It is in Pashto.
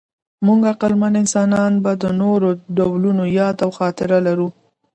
موږ عقلمن انسانان به د نورو ډولونو یاد او خاطره لرو.